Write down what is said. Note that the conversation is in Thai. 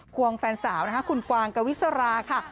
วงแฟนสาวนะคะคุณกวางกวิสราค่ะ